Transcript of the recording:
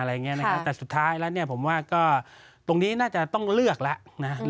แต่สุดท้ายแล้วเนี่ยผมว่าก็ตรงนี้น่าจะต้องเลือกแล้วนะ